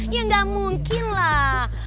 ya enggak mungkin lah